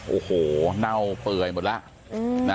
โอ้โหเน่าเปื่อยหมดแล้ว